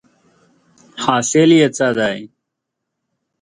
حاصل یې څه دی ؟